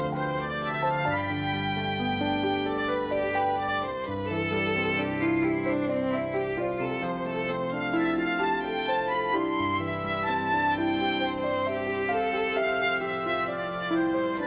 supaya bisa berkenan